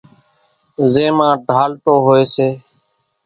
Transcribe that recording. زين مان ڍالٽو ھوئي سي،